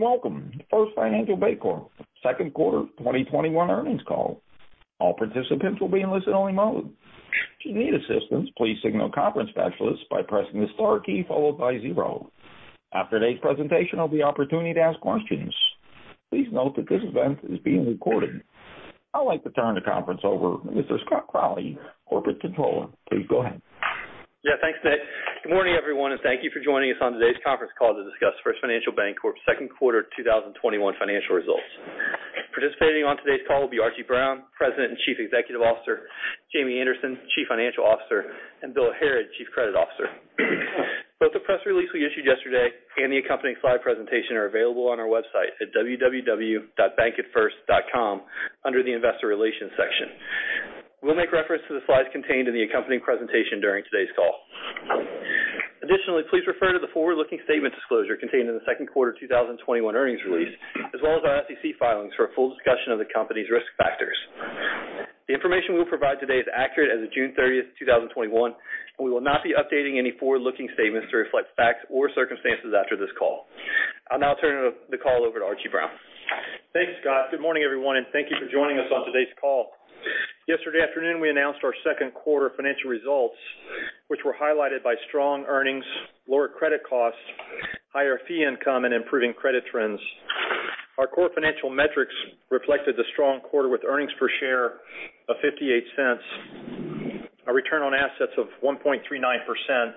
Welcome to First Financial Bancorp Second Quarter 2021 Earnings Call. All participants will be in listen-only mode, if you need assistance please signal the conference specialist by pressing the star key followed by zero. After today's presentation, there will be an opportunity to ask questions. Please note that this event is being recorded. I'd like to turn the conference over to Mr. Scott Crawley, Corporate Controller. Please go ahead. Yeah, thanks, Nick. Good morning, everyone, and thank you for joining us on today's conference call to discuss First Financial Bancorp's second quarter 2021 financial results. Participating on today's call will be Archie Brown, President and Chief Executive Officer, Jamie Anderson, Chief Financial Officer, and Bill Harrod, Chief Credit Officer. Both the press release we issued yesterday and the accompanying slide presentation are available on our website at www.bankatfirst.com under the Investor Relations section. We'll make reference to the slides contained in the accompanying presentation during today's call. Additionally, please refer to the forward-looking statement disclosure contained in the second quarter 2021 earnings release, as well as our SEC filings for a full discussion of the company's risk factors. The information we'll provide today is accurate as of June 30th, 2021, and we will not be updating any forward-looking statements to reflect facts or circumstances after this call. I'll now turn the call over to Archie Brown. Thanks, Scott. Good morning, everyone, and thank you for joining us on today's call. Yesterday afternoon, we announced our second quarter financial results, which were highlighted by strong earnings, lower credit costs, higher fee income, and improving credit trends. Our core financial metrics reflected a strong quarter with earnings per share of $0.58, a return on assets of 1.39%,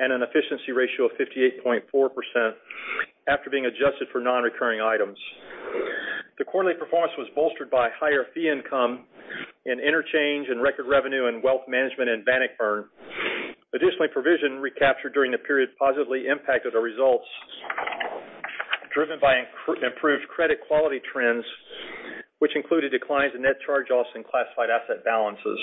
and an efficiency ratio of 58.4% after being adjusted for non-recurring items. The quarterly performance was bolstered by higher fee income and interchange and record revenue in wealth management and Bannockburn. Additionally, provision recapture during the period positively impacted our results, driven by improved credit quality trends, which included declines in net charge-offs and classified asset balances.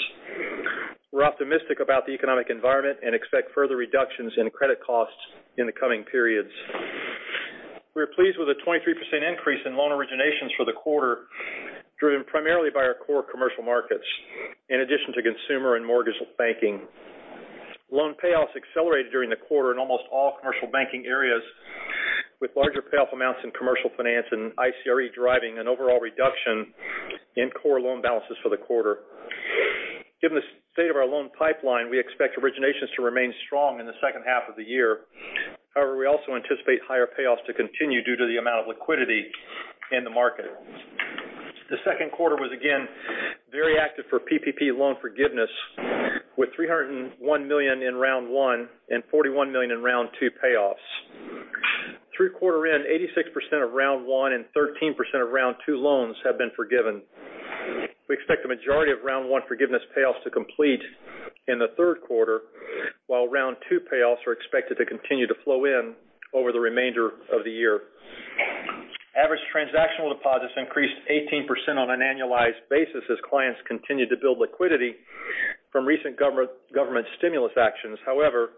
We're optimistic about the economic environment and expect further reductions in credit costs in the coming periods. We are pleased with the 23% increase in loan originations for the quarter, driven primarily by our core commercial markets, in addition to consumer and mortgage banking. Loan payoffs accelerated during the quarter in almost all commercial banking areas, with larger payoff amounts in commercial finance and ICRE driving an overall reduction in core loan balances for the quarter. Given the state of our loan pipeline, we expect originations to remain strong in the second half of the year. However, we also anticipate higher payoffs to continue due to the amount of liquidity in the market. The second quarter was again very active for PPP loan forgiveness, with $301 million in round one and $41 million in round two payoffs. Through quarter end, 86% of round one and 13% of round two loans have been forgiven. We expect the majority of round 1 forgiveness payoffs to complete in the third quarter, while round 2 payoffs are expected to continue to flow in over the remainder of the year. Average transactional deposits increased 18% on an annualized basis as clients continued to build liquidity from recent government stimulus actions. However,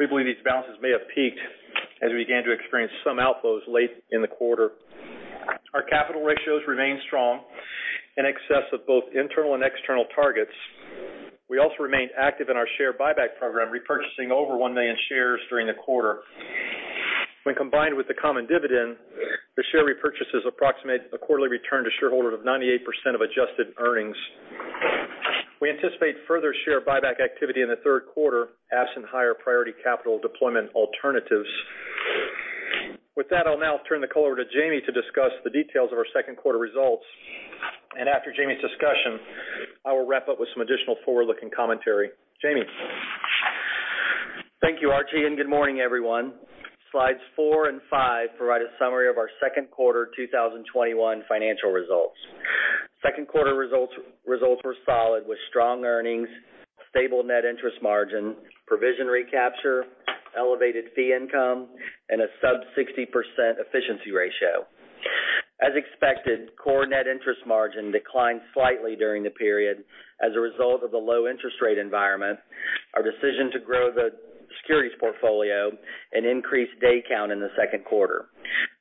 we believe these balances may have peaked as we began to experience some outflows late in the quarter. Our capital ratios remain strong, in excess of both internal and external targets. We also remained active in our share buyback program, repurchasing over 1 million shares during the quarter. When combined with the common dividend, the share repurchases approximate a quarterly return to shareholders of 98% of adjusted earnings. We anticipate further share buyback activity in the third quarter absent higher priority capital deployment alternatives. With that, I'll now turn the call over to Jamie to discuss the details of our second quarter results, and after Jamie's discussion, I will wrap up with some additional forward-looking commentary. Jamie? Thank you, Archie, and good morning, everyone. Slides four and five provide a summary of our second quarter 2021 financial results. Second quarter results were solid, with strong earnings, stable net interest margin, provision recapture, elevated fee income, and a sub 60% efficiency ratio. As expected, core net interest margin declined slightly during the period as a result of the low interest rate environment, our decision to grow the securities portfolio, and increased day count in the second quarter.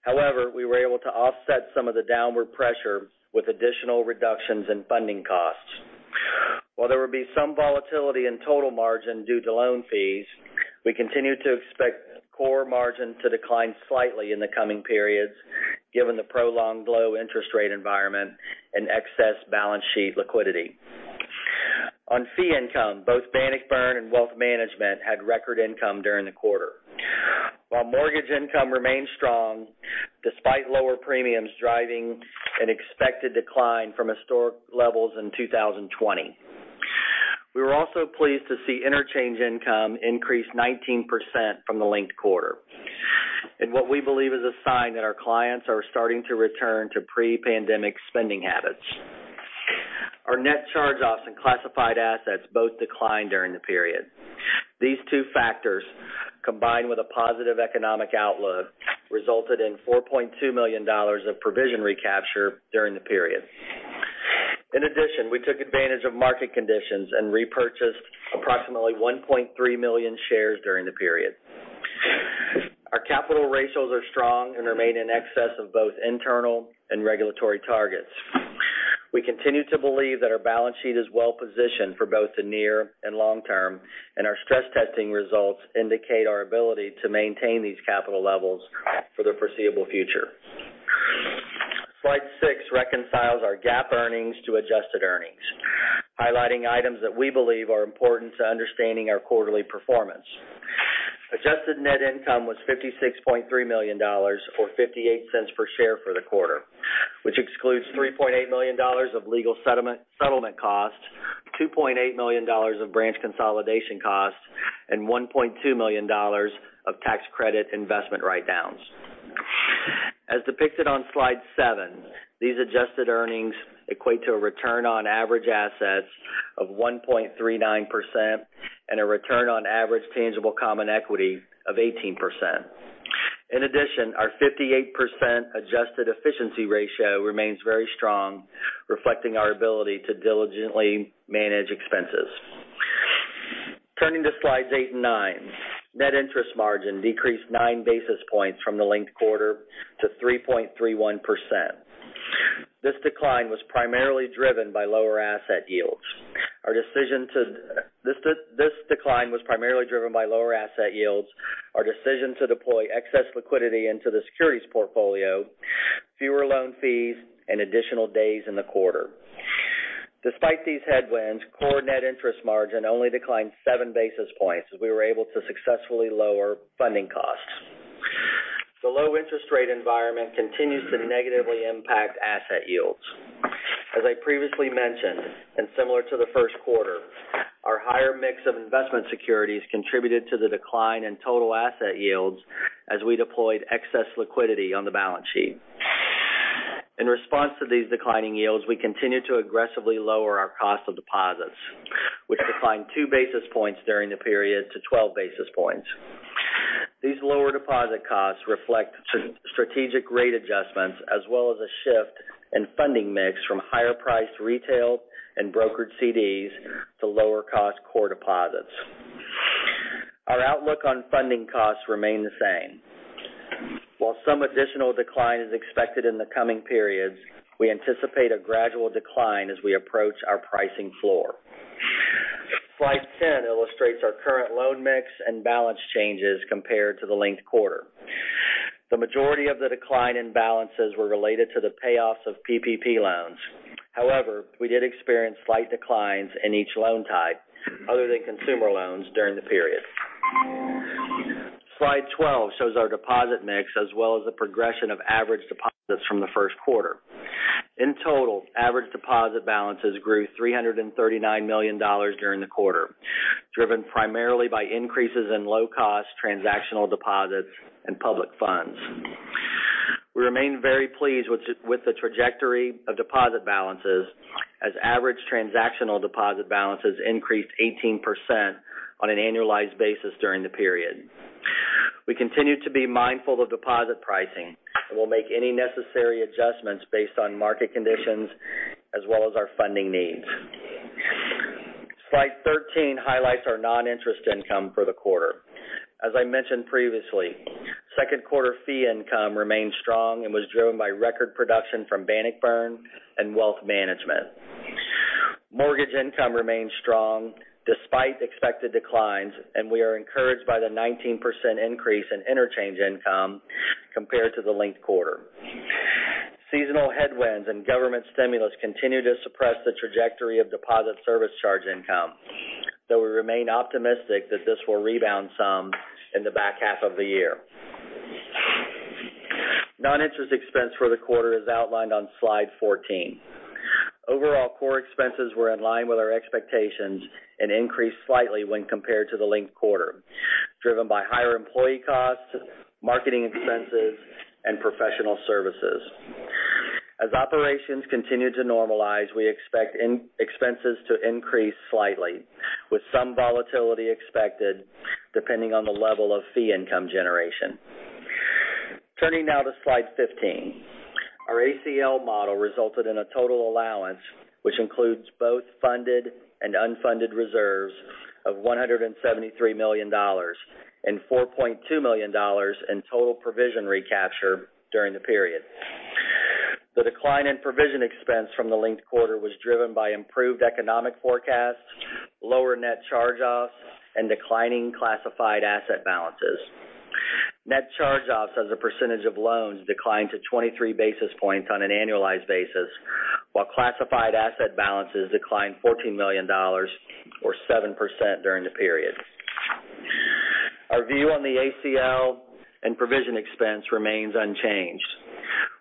However, we were able to offset some of the downward pressure with additional reductions in funding costs. While there will be some volatility in total margin due to loan fees, we continue to expect core margin to decline slightly in the coming periods given the prolonged low interest rate environment and excess balance sheet liquidity. On fee income, both Bannockburn and wealth management had record income during the quarter, while mortgage income remained strong despite lower premiums driving an expected decline from historic levels in 2020. We were also pleased to see interchange income increase 19% from the linked quarter in what we believe is a sign that our clients are starting to return to pre-pandemic spending habits. Our net charge-offs and classified assets both declined during the period. These two factors, combined with a positive economic outlook, resulted in $4.2 million of provision recapture during the period. In addition, we took advantage of market conditions and repurchased approximately 1.3 million shares during the period. Our capital ratios are strong and remain in excess of both internal and regulatory targets. We continue to believe that our balance sheet is well-positioned for both the near and long-term, and our stress testing results indicate our ability to maintain these capital levels for the foreseeable future. Slide six reconciles our GAAP earnings to adjusted earnings, highlighting items that we believe are important to understanding our quarterly performance. Adjusted net income was $56.3 million, or $0.58 per share for the quarter, which excludes $3.8 million of legal settlement costs, $2.8 million of branch consolidation costs, and $1.2 million of tax credit investment write-downs. As depicted on slide seven, these adjusted earnings equate to a return on average assets of 1.39% and a return on average tangible common equity of 18%. In addition, our 58% adjusted efficiency ratio remains very strong, reflecting our ability to diligently manage expenses. Turning to slides eight and nine, net interest margin decreased 9 basis points from the linked quarter to 3.31%. This decline was primarily driven by lower asset yields, our decision to deploy excess liquidity into the securities portfolio, fewer loan fees, and additional days in the quarter. Despite these headwinds, core net interest margin only declined 7 basis points, as we were able to successfully lower funding costs. The low interest rate environment continues to negatively impact asset yields. As I previously mentioned, and similar to the first quarter, our higher mix of investment securities contributed to the decline in total asset yields as we deployed excess liquidity on the balance sheet. In response to these declining yields, we continue to aggressively lower our cost of deposits, which declined 2 basis points during the period to 12 basis points. These lower deposit costs reflect strategic rate adjustments, as well as a shift in funding mix from higher priced retail and brokered CDs to lower cost core deposits. Our outlook on funding costs remain the same. While some additional decline is expected in the coming periods, we anticipate a gradual decline as we approach our pricing floor. Slide 10 illustrates our current loan mix and balance changes compared to the linked quarter. The majority of the decline in balances were related to the payoffs of PPP loans. We did experience slight declines in each loan type, other than consumer loans, during the period. Slide 12 shows our deposit mix, as well as the progression of average deposits from the first quarter. In total, average deposit balances grew $339 million during the quarter, driven primarily by increases in low-cost transactional deposits and public funds. We remain very pleased with the trajectory of deposit balances, as average transactional deposit balances increased 18% on an annualized basis during the period. We continue to be mindful of deposit pricing and will make any necessary adjustments based on market conditions as well as our funding needs. Slide 13 highlights our non-interest income for the quarter. As I mentioned previously, second quarter fee income remained strong and was driven by record production from Bannockburn and wealth management. Mortgage income remained strong despite expected declines, and we are encouraged by the 19% increase in interchange income compared to the linked quarter. Seasonal headwinds and government stimulus continue to suppress the trajectory of deposit service charge income, though we remain optimistic that this will rebound some in the back half of the year. Non-interest expense for the quarter is outlined on slide 14. Overall, core expenses were in line with our expectations and increased slightly when compared to the linked quarter, driven by higher employee costs, marketing expenses, and professional services. As operations continue to normalize, we expect expenses to increase slightly, with some volatility expected depending on the level of fee income generation. Turning now to slide 15. Our ACL model resulted in a total allowance, which includes both funded and unfunded reserves of $173 million and $4.2 million in total provision recapture during the period. The decline in provision expense from the linked quarter was driven by improved economic forecasts, lower net charge-offs, and declining classified asset balances. Net charge-offs as a percentage of loans declined to 23 basis points on an annualized basis, while classified asset balances declined $14 million, or 7%, during the period. Our view on the ACL and provision expense remains unchanged.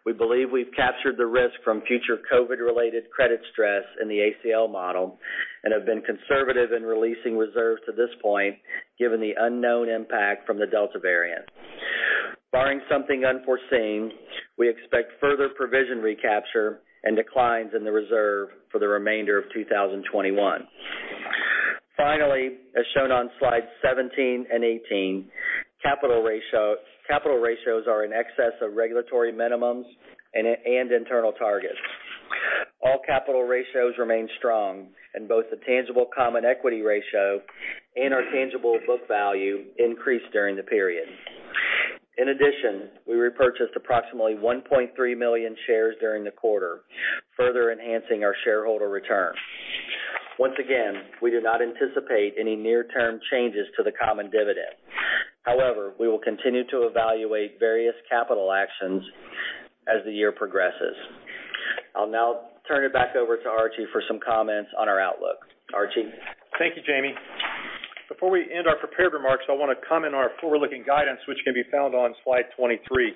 We believe we've captured the risk from future COVID-related credit stress in the ACL model and have been conservative in releasing reserves to this point, given the unknown impact from the Delta variant. Barring something unforeseen, we expect further provision recapture and declines in the reserve for the remainder of 2021. Finally, as shown on slides 17 and 18, capital ratios are in excess of regulatory minimums and internal targets. All capital ratios remain strong, and both the tangible common equity ratio and our tangible book value increased during the period. In addition, we repurchased approximately 1.3 million shares during the quarter, further enhancing our shareholder return. Once again, we do not anticipate any near-term changes to the common dividend. However, we will continue to evaluate various capital actions as the year progresses. I'll now turn it back over to Archie for some comments on our outlook. Archie? Thank you, Jamie. Before we end our prepared remarks, I want to comment on our forward-looking guidance, which can be found on slide 23.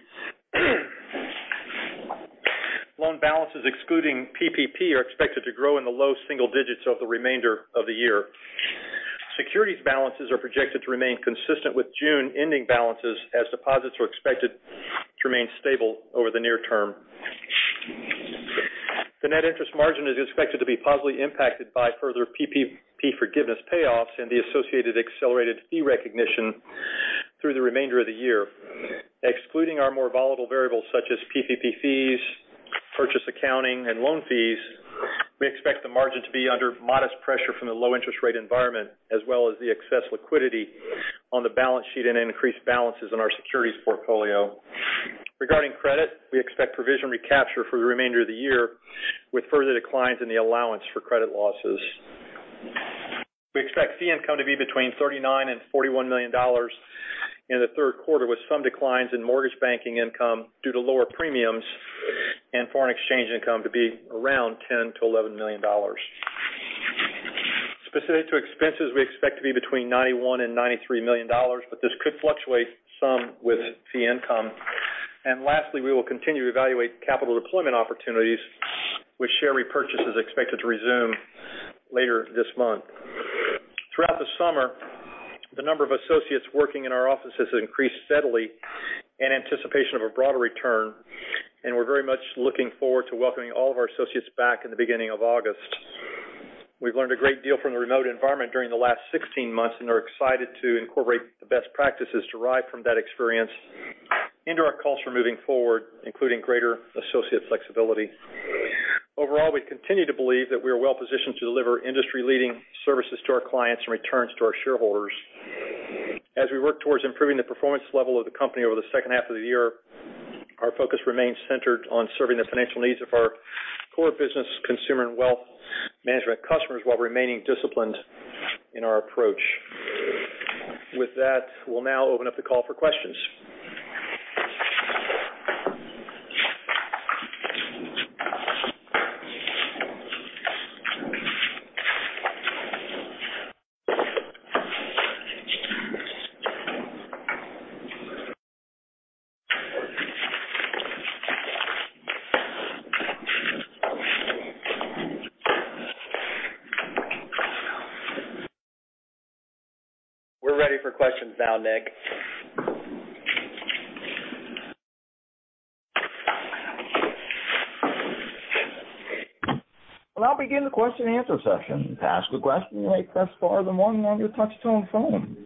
Loan balances excluding PPP are expected to grow in the low single-digits over the remainder of the year. Securities balances are projected to remain consistent with June ending balances, as deposits are expected to remain stable over the near-term. The net interest margin is expected to be positively impacted by further PPP forgiveness payoffs and the associated accelerated fee recognition through the remainder of the year. Excluding our more volatile variables such as PPP fees, purchase accounting, and loan fees, we expect the margin to be under modest pressure from the low interest rate environment, as well as the excess liquidity on the balance sheet and increased balances in our securities portfolio. Regarding credit, we expect provision recapture for the remainder of the year, with further declines in the allowance for credit losses. We expect fee income to be between $39 million-$41 million in the third quarter, with some declines in mortgage banking income due to lower premiums, and foreign exchange income to be around $10 million-$11 million. Specific to expenses, we expect to be between $91 million-$93 million, but this could fluctuate some with fee income. Lastly, we will continue to evaluate capital deployment opportunities, with share repurchases expected to resume later this month. Throughout the summer, the number of associates working in our offices increased steadily in anticipation of a broader return, and we're very much looking forward to welcoming all of our associates back in the beginning of August. We've learned a great deal from the remote environment during the last 16 months and are excited to incorporate the best practices derived from that experience into our culture moving forward, including greater associate flexibility. Overall, we continue to believe that we are well-positioned to deliver industry-leading services to our clients and returns to our shareholders. As we work towards improving the performance level of the company over the second half of the year, our focus remains centered on serving the financial needs of our core business consumer and wealth management customers while remaining disciplined in our approach. With that, we'll now open up the call for questions. We're ready for questions now, Nick. We'll now begin the question-and-answer session. To ask a question, you may press star then one on your touch-tone phone.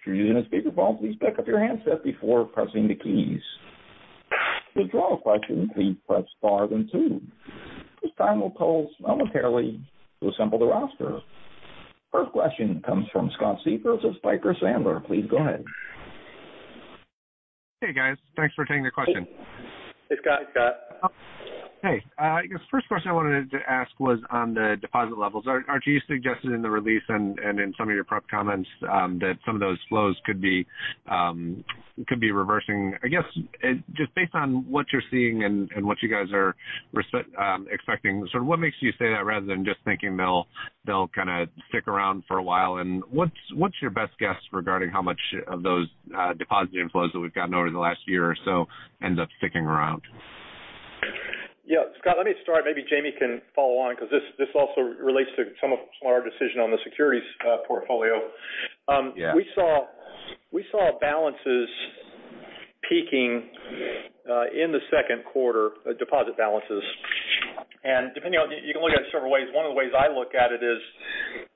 If you're using a speakerphone, please pick up your handset before pressing the keys. To withdraw a question, please press star then two. This time we'll poll momentarily to assemble the roster. First question comes from Scott Siefers of Piper Sandler. Please go ahead. Hey guys, thanks for taking the question. Hey, Scott. Hey. I guess first question I wanted to ask was on the deposit levels. Archie, you suggested in the release and in some of your prep comments that some of those flows could be reversing. I guess, just based on what you're seeing and what you guys are expecting, what makes you say that rather than just thinking they'll kind of stick around for a while? What's your best guess regarding how much of those deposit inflows that we've gotten over the last year or so end up sticking around? Yeah, Scott, let me start. Maybe Jamie can follow on because this also relates to some of our decision on the securities portfolio. Yeah. We saw balances peaking in the second quarter, deposit balances. You can look at it several ways. One of the ways I look at it is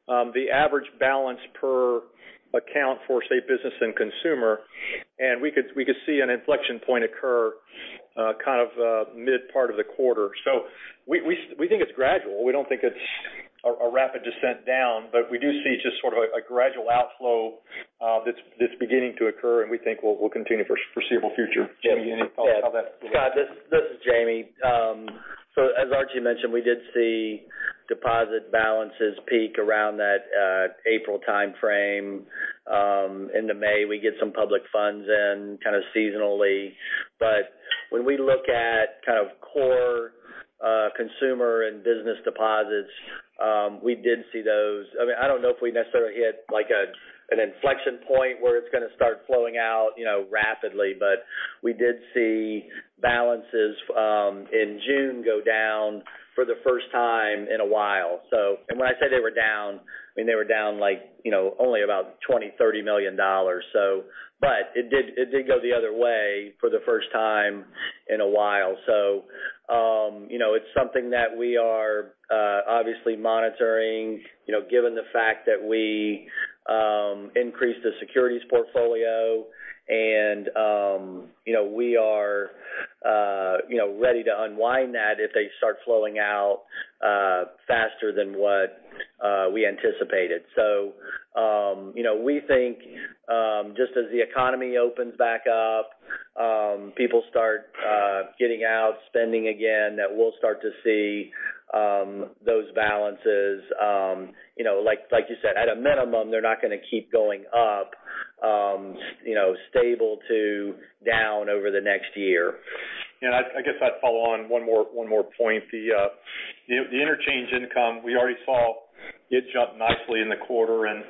the average balance per account for, say, business and consumer. We could see an inflection point occur kind of mid part of the quarter. We think it's gradual. We don't think it's a rapid descent down, but we do see just sort of a gradual outflow that's beginning to occur and we think will continue for foreseeable future. Jamie, any thoughts how that? Scott, this is Jamie. As Archie mentioned, we did see deposit balances peak around that April timeframe. Into May, we get some public funds in kind of seasonally. When we look at kind of core consumer and business deposits, I don't know if we necessarily hit an inflection point where it's going to start flowing out rapidly, but we did see balances in June go down for the first time in a while. When I say they were down, I mean they were down only about $20 million-$30 million. It did go the other way for the first time in a while. It's something that we are obviously monitoring, given the fact that we increased the securities portfolio and we are ready to unwind that if they start flowing out faster than what we anticipated. We think just as the economy opens back up, people start getting out, spending again, that we'll start to see those balances. Like you said, at a minimum, they're not going to keep going up, stable to down over the next year. I guess I'd follow on one more point. The interchange income, we already saw it jump nicely in the quarter, and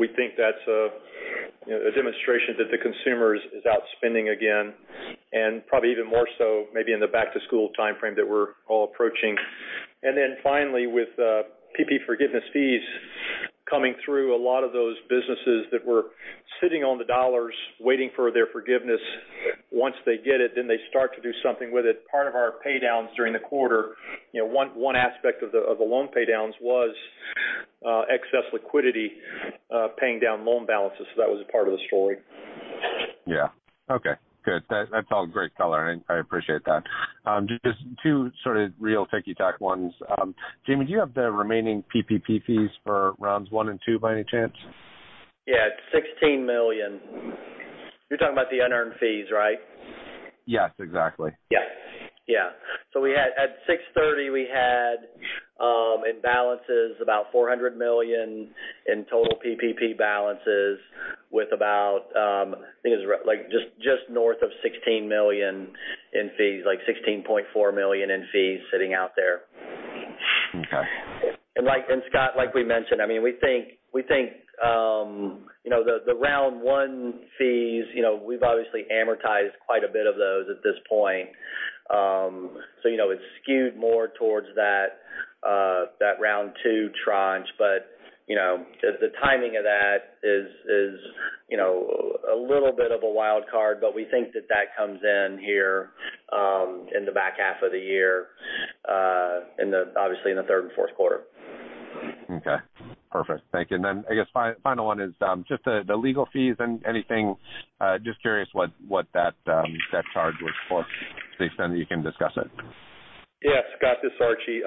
we think that's a demonstration that the consumer is out spending again, and probably even more so maybe in the back-to-school timeframe that we're all approaching. Finally, with PPP forgiveness fees coming through, a lot of those businesses that were sitting on the dollars waiting for their forgiveness, once they get it, then they start to do something with it. Part of our pay downs during the quarter, one aspect of the loan pay downs was excess liquidity paying down loan balances. That was a part of the story. Yeah. Okay. Good. That's all great color, and I appreciate that. Just two sort of real ticky-tack ones. Jamie, do you have the remaining PPP fees for rounds one and two by any chance? Yeah. It's $16 million. You're talking about the unearned fees, right? Yes, exactly. Yeah. At 6/30, we had in balances about $400 million in total PPP balances with about, I think it was just north of $16 million in fees, like $16.4 million in fees sitting out there. Okay. Scott, like we mentioned, we think the round 1 fees, we've obviously amortized quite a bit of those at this point. It's skewed more towards that round two tranche. The timing of that is a little bit of a wild card, we think that that comes in here in the back half of the year, obviously in the third and fourth quarter. Okay. Perfect. Thank you. Then I guess final one is just the legal fees and anything, just curious what that charge was for to the extent that you can discuss it. Scott, this is Archie.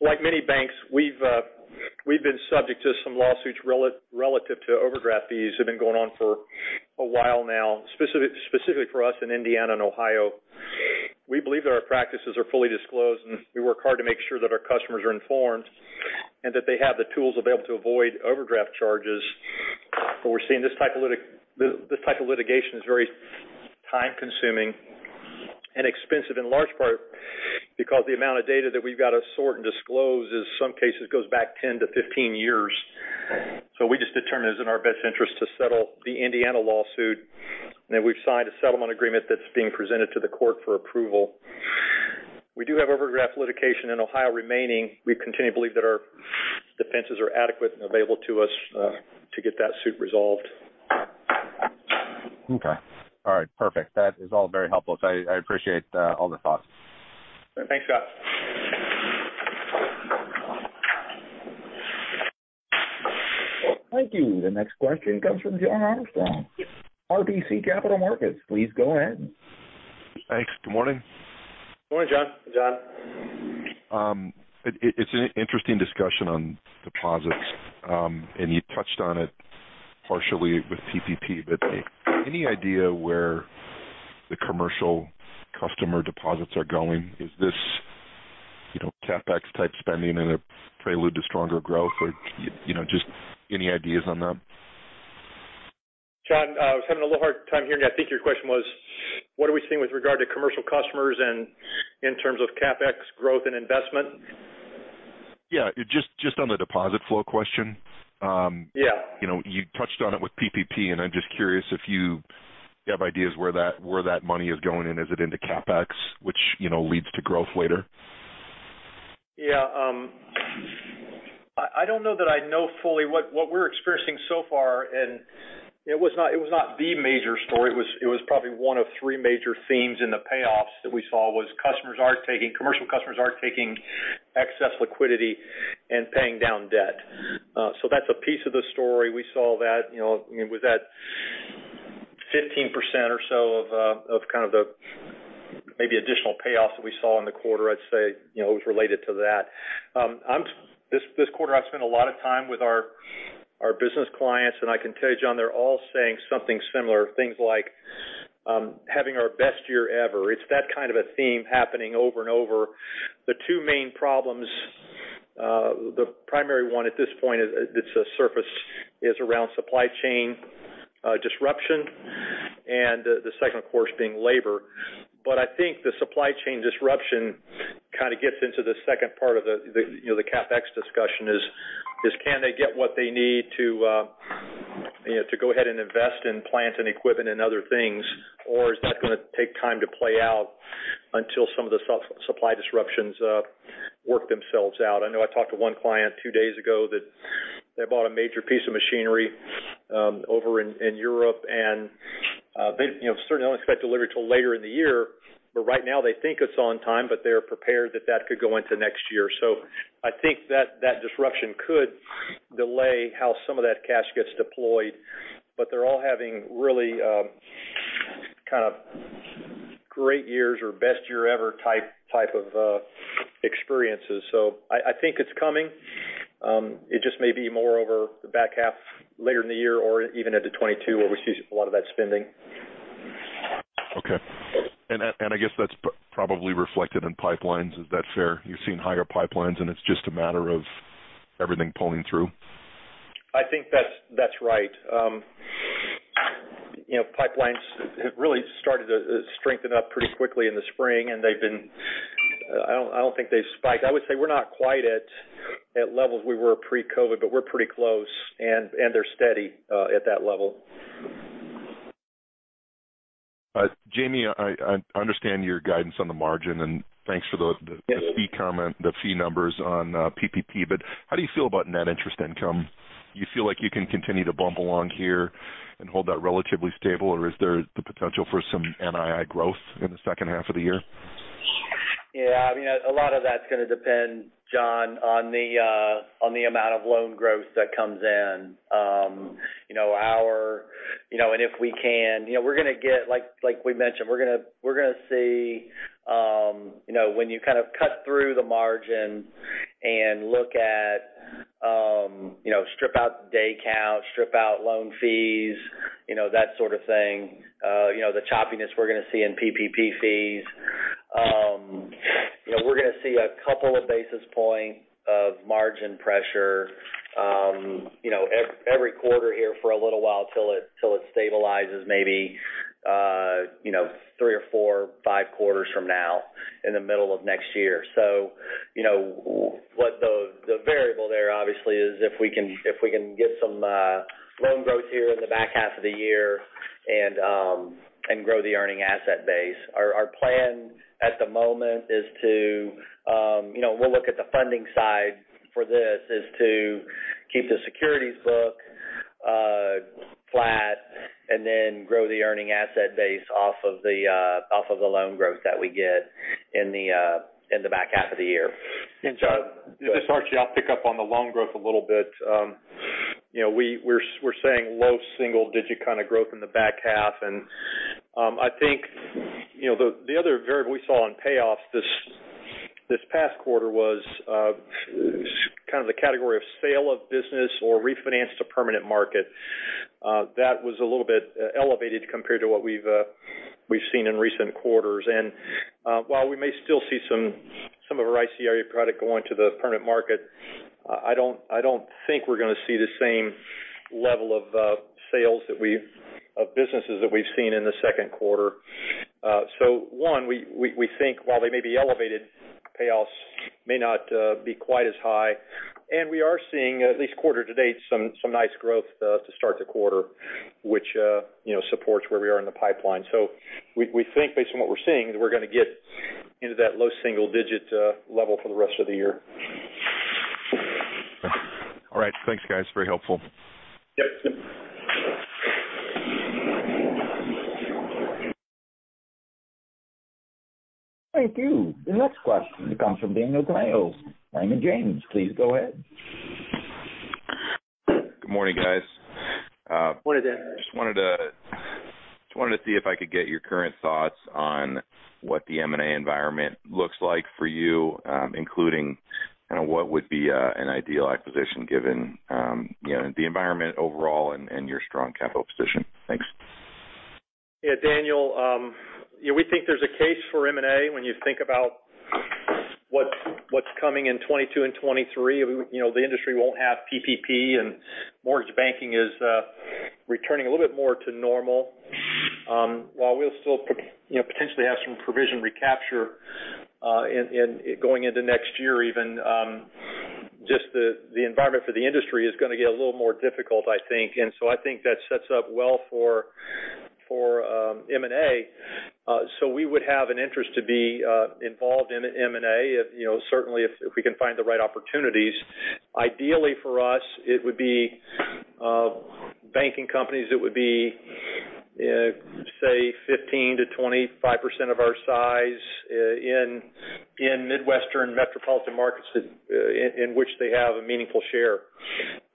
Like many banks, we've been subject to some lawsuits relative to overdraft fees that have been going on for a while now, specifically for us in Indiana and Ohio. We believe that our practices are fully disclosed, and we work hard to make sure that our customers are informed and that they have the tools available to avoid overdraft charges. We're seeing this type of litigation is very time-consuming and expensive, in large part because the amount of data that we've got to sort and disclose in some cases goes back 10-15 years. We just determined it was in our best interest to settle the Indiana lawsuit, and we've signed a settlement agreement that's being presented to the court for approval. We do have overdraft litigation in Ohio remaining. We continue to believe that our defenses are adequate and available to us to get that suit resolved. Okay. All right. Perfect. That is all very helpful. I appreciate all the thoughts. Thanks, Scott. Thank you. The next question comes from Jon Arfstrom, RBC Capital Markets. Please go ahead. Thanks. Good morning. Good morning, Jon. Jon. It's an interesting discussion on deposits. You touched on it partially with PPP, but any idea where the commercial customer deposits are going? Is this CapEx type spending in a prelude to stronger growth? Just any ideas on that? Jon, I was having a little hard time hearing you. I think your question was, what are we seeing with regard to commercial customers and in terms of CapEx growth and investment? Yeah. Just on the deposit flow question. Yeah. You touched on it with PPP, and I'm just curious if you have ideas where that money is going, and is it into CapEx, which leads to growth later? I don't know that I know fully. What we're experiencing so far, and it was not the major story, it was probably one of three major themes in the payoffs that we saw was commercial customers are taking excess liquidity and paying down debt. That's a piece of the story. We saw that with that 15% or so of kind of the maybe additional payoffs that we saw in the quarter, I'd say it was related to that. This quarter, I've spent a lot of time with our business clients, and I can tell you, Jon, they're all saying something similar. Things like, "Having our best year ever." It's that kind of a theme happening over and over. The two main problems, the primary one at this point that's surfaced is around supply chain disruption and the second, of course, being labor. I think the supply chain disruption kind of gets into the second part of the CapEx discussion is, can they get what they need to go ahead and invest in plant and equipment and other things, or is that going to take time to play out until some of the supply disruptions work themselves out? I know I talked to one client two days ago that they bought a major piece of machinery over in Europe, and they certainly don't expect delivery till later in the year. Right now, they think it's on time, but they're prepared that that could go into next year. I think that disruption could delay how some of that cash gets deployed. They're all having really kind of great years or best year ever type of experiences. I think it's coming. It just may be more over the back half later in the year or even into 2022 where we see a lot of that spending. Okay. I guess that's probably reflected in pipelines. Is that fair? You're seeing higher pipelines and it's just a matter of everything pulling through. I think that's right. Pipelines have really started to strengthen up pretty quickly in the spring, and I don't think they've spiked. I would say we're not quite at levels we were pre-COVID, but we're pretty close, and they're steady at that level. Jamie, I understand your guidance on the margin. The fee comment, the fee numbers on PPP, how do you feel about net interest income? You feel like you can continue to bump along here and hold that relatively stable, or is there the potential for some NII growth in the second half of the year? Yeah. A lot of that's going to depend, Jon, on the amount of loan growth that comes in. Like we mentioned, we're going to see when you kind of cut through the margin and strip out day count, strip out loan fees, that sort of thing, the choppiness we're going to see in PPP fees. We're going to see a couple of basis points of margin pressure every quarter here for a little while till it stabilizes maybe three or four, five quarters from now in the middle of next year. The variable there obviously is if we can get some loan growth here in the back half of the year and grow the earning asset base. Our plan at the moment, we'll look at the funding side for this, is to keep the securities book flat and then grow the earning asset base off of the loan growth that we get in the back half of the year. Jon. Yes. This is Archie. I'll pick up on the loan growth a little bit. We're saying low single-digit kind of growth in the back half, and I think the other variable we saw in payoffs this past quarter was kind of the category of sale of business or refinance to permanent market. That was a little bit elevated compared to what we've seen in recent quarters. While we may still see some of our ICRE product go into the permanent market, I don't think we're going to see the same level of sales of businesses that we've seen in the second quarter. One, we think while they may be elevated, payoffs may not be quite as high. We are seeing at least quarter to date some nice growth to start the quarter which supports where we are in the pipeline. We think based on what we're seeing, that we're going to get into that low single-digit level for the rest of the year. All right. Thanks, guys. Very helpful. Yes. Thank you. The next question comes from Daniel Tamayo, Raymond James. Please go ahead. Good morning, guys. Morning, Dan. Just wanted to see if I could get your current thoughts on what the M&A environment looks like for you, including kind of what would be an ideal acquisition given the environment overall and your strong capital position? Thanks. Yeah, Daniel. We think there's a case for M&A when you think about what's coming in 2022 and 2023. The industry won't have PPP, and mortgage banking is returning a little bit more to normal. While we'll still potentially have some provision recapture going into next year even, just the environment for the industry is going to get a little more difficult, I think. I think that sets up well for M&A. We would have an interest to be involved in M&A certainly if we can find the right opportunities. Ideally, for us, it would be banking companies that would be say 15%-25% of our size in Midwestern metropolitan markets in which they have a meaningful share.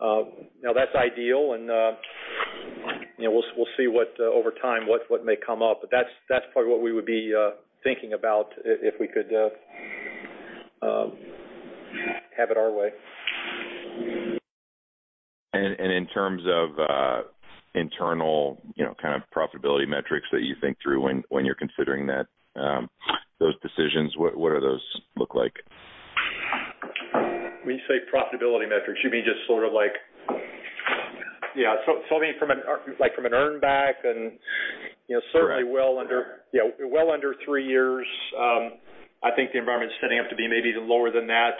Now that's ideal and we'll see over time what may come up. That's probably what we would be thinking about if we could have it our way. In terms of internal kind of profitability metrics that you think through when you're considering those decisions, what do those look like? When you say profitability metrics, you mean just sort of like from an earn back. Certainly well under three years. I think the environment's setting up to be maybe lower than that.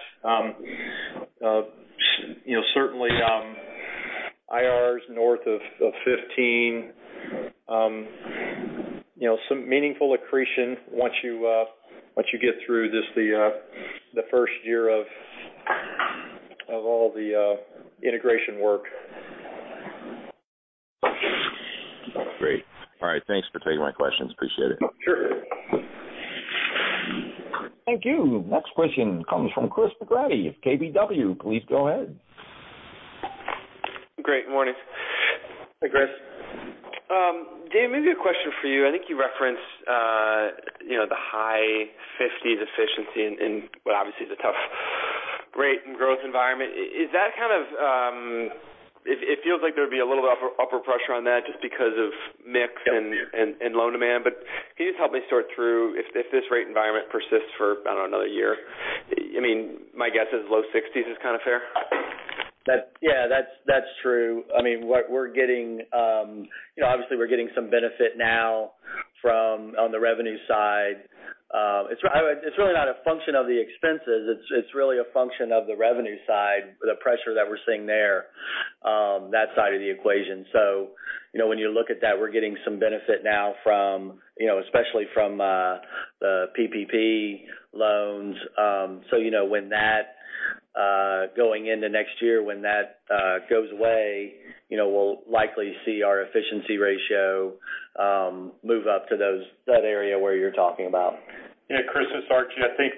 Certainly, IRRs north of 15. Some meaningful accretion once you get through just the first year of all the integration work. Great. All right. Thanks for taking my questions. Appreciate it. Sure. Thank you. Next question comes from Chris McGratty of KBW. Please go ahead. Great. Morning. Hi, Chris. Jamie, maybe a question for you. I think you referenced the high 50s efficiency in what obviously is a tough rate and growth environment. It feels like there would be a little upper pressure on that just because of mix and loan demand. Can you just help me sort through if this rate environment persists for, I don't know, another year? My guess is low 60s is kind of fair. Yeah, that's true. Obviously, we're getting some benefit now on the revenue side. It's really not a function of the expenses, it's really a function of the revenue side, the pressure that we're seeing there, that side of the equation. When you look at that, we're getting some benefit now especially from the PPP loans. Going into next year when that goes away, we'll likely see our efficiency ratio move up to that area where you're talking about. Yeah. Chris, it's Archie. I think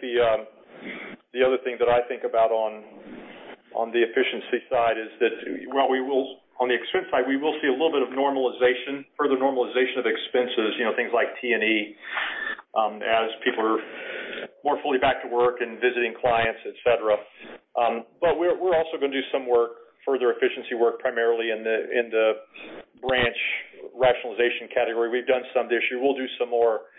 the other thing that I think about on the efficiency side is that on the expense side, we will see a little bit of further normalization of expenses, things like T&E as people are more fully back to work and visiting clients, et cetera. We're also going to do some further efficiency work, primarily in the branch rationalization category. We've done some this year. We'll do some more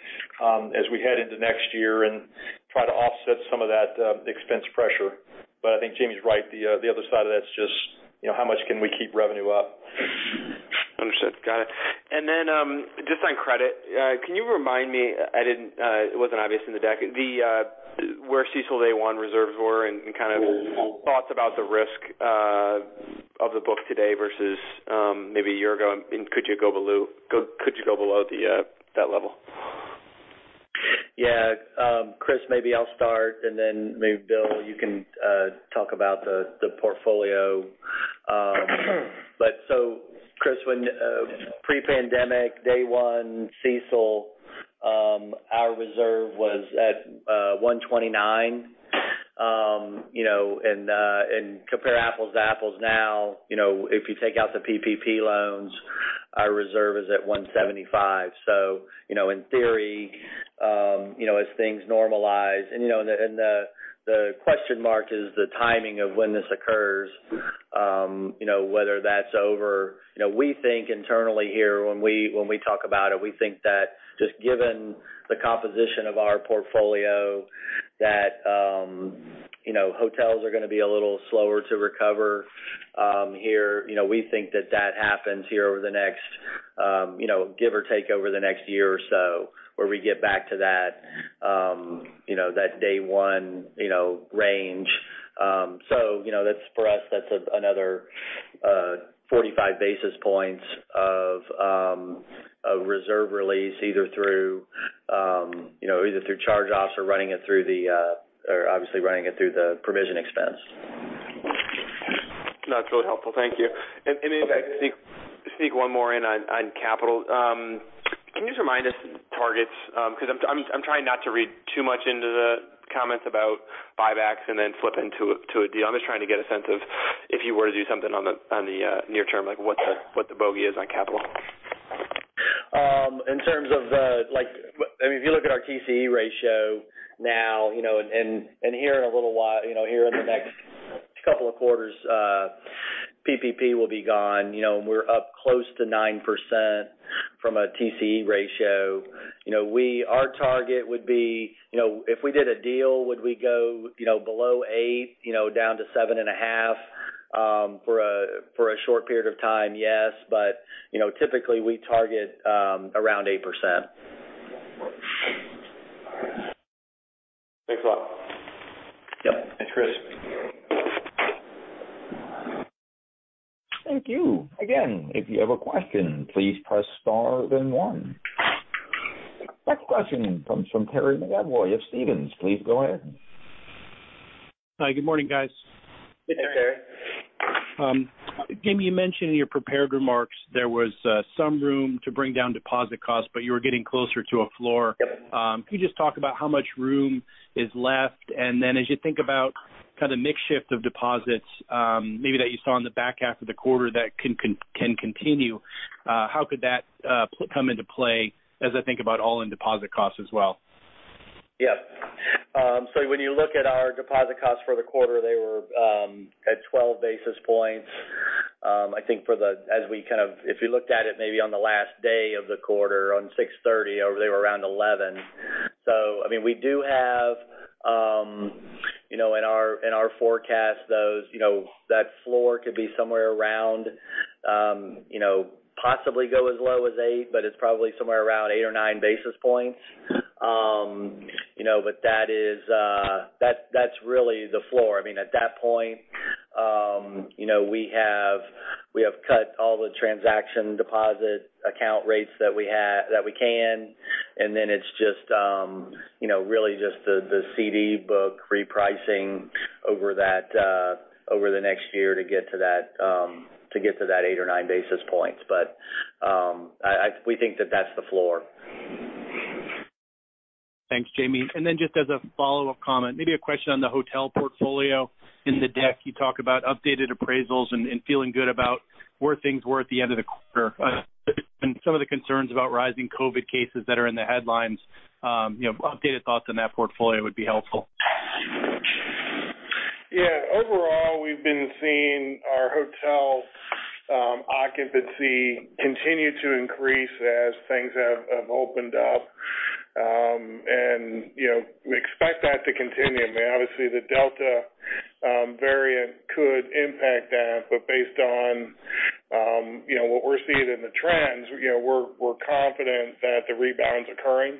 as we head into next year and try to offset some of that expense pressure. I think Jamie's right. The other side of that's just how much can we keep revenue up. Understood. Got it. Just on credit, can you remind me, it wasn't obvious in the deck, where CECL day one reserves were and kind of thoughts about the risk of the book today versus maybe a year ago, and could you go below that level? Chris, maybe I'll start, then maybe Bill, you can talk about the portfolio. Chris, pre-pandemic day one CECL, our reserve was at 129. Compare apples to apples now, if you take out the PPP loans, our reserve is at 175. In theory, as things normalize and the question mark is the timing of when this occurs whether that's over. We think internally here when we talk about it, we think that just given the composition of our portfolio, that hotels are going to be a little slower to recover here. We think that that happens here give or take over the next year or so where we get back to that day one range. For us, that's another 45 basis points of reserve release either through charge-offs or obviously running it through the provision expense. No, that's really helpful. Thank you. Okay. If I could sneak one more in on capital. Can you just remind us targets? I'm trying not to read too much into the comments about buybacks and then flip into a deal. I'm just trying to get a sense of if you were to do something on the near-term, like what the bogey is on capital. If you look at our TCE ratio now and here in the next couple of quarters PPP will be gone, and we're up close to 9% from a TCE ratio. Our target would be if we did a deal, would we go below 8, down to 7.5 for a short period of time? Yes. Typically we target around 8%. Thanks a lot. Yep. Thanks, Chris. Thank you. Again, if you have a question, please press star then one. Next question comes from Terry McEvoy of Stephens. Please go ahead. Hi. Good morning, guys. Good day, Terry. Jamie, you mentioned in your prepared remarks there was some room to bring down deposit costs, but you were getting closer to a floor. Yep. Can you just talk about how much room is left and then as you think about kind of mix shift of deposits maybe that you saw in the back half of the quarter that can continue how could that come into play as I think about all-in deposit costs as well? When you look at our deposit costs for the quarter, they were at 12 basis points. If you looked at it maybe on the last day of the quarter on 6/30, they were around 11. We do have in our forecast that floor could be somewhere around possibly go as low as 8, but it's probably somewhere around 8 or 9 basis points. That's really the floor. At that point we have cut all the transaction deposit account rates that we can and then it's really just the CD book repricing over the next year to get to that 8 or 9 basis points. We think that that's the floor. Thanks, Jamie. Just as a follow-up comment, maybe a question on the hotel portfolio. In the deck you talk about updated appraisals and feeling good about where things were at the end of the quarter. Given some of the concerns about rising COVID cases that are in the headlines updated thoughts on that portfolio would be helpful. Yeah. Overall, we've been seeing our hotel occupancy continue to increase as things have opened up. We expect that to continue. Obviously the Delta variant could impact that, but based on what we're seeing in the trends, we're confident that the rebound's occurring.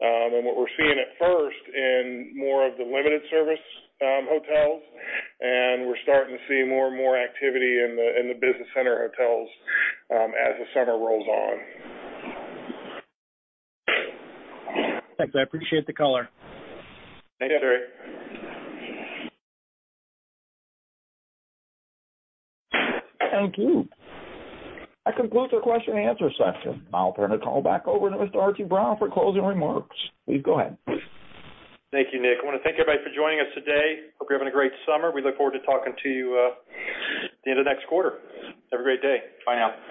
What we're seeing it first in more of the limited service hotels, and we're starting to see more and more activity in the business center hotels as the summer rolls on. Thanks. I appreciate the color. Thank you, Terry. Thank you. That concludes our question-and answer session. I'll turn the call back over to Mr. Archie Brown for closing remarks. Please go ahead. Thank you, Nick. I want to thank everybody for joining us today. Hope you're having a great summer. We look forward to talking to you at the end of next quarter. Have a great day. Bye now.